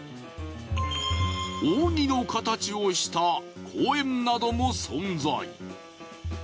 扇の形をした公園なども存在。